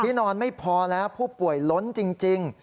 นอนไม่พอแล้วผู้ป่วยล้นจริง